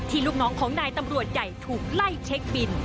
ลูกน้องของนายตำรวจใหญ่ถูกไล่เช็คบิน